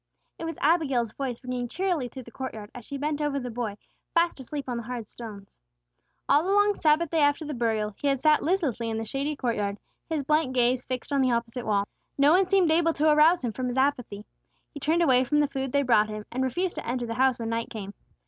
It was Abigail's voice ringing cheerily through the court yard, as she bent over the boy, fast asleep on the hard stones. All the long Sabbath day after the burial, he had sat listlessly in the shady court yard, his blank gaze fixed on the opposite wall. No one seemed able to arouse him from his apathy. He turned away from the food they brought him, and refused to enter the house when night came.